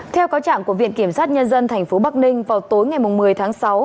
theo cáo chẳng của viện kiểm soát nhân dân thành phố bắc ninh vào tối ngày một mươi tháng sáu